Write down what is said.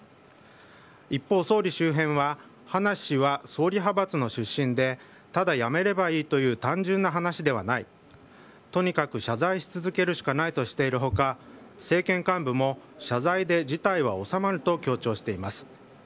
一方、総理周辺は葉梨氏は総理派閥の出身でただ辞めればいいという単純な話ではないとにかく謝罪し続けるしかないとしている他政権幹部も、謝罪で事態は収まると強調しています。